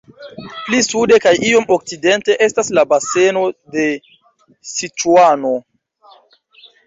Pli sude kaj iom okcidente estas la baseno de Siĉuano.